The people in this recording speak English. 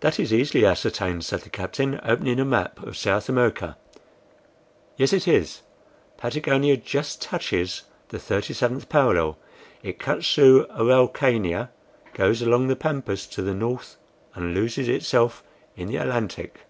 "That is easily ascertained," said the captain, opening a map of South America. "Yes, it is; Patagonia just touches the 37th parallel. It cuts through Araucania, goes along over the Pampas to the north, and loses itself in the Atlantic."